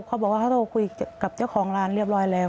เขาบอกว่าเขาโทรคุยกับเจ้าของร้านเรียบร้อยแล้ว